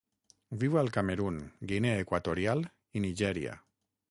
Viu al Camerun, Guinea Equatorial i Nigèria.